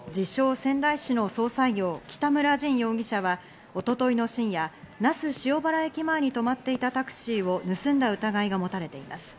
・仙台市の葬祭業、北村尽容疑者は、一昨日の深夜、那須塩原駅前に止まっていたタクシーを盗んだ疑いが持たれています。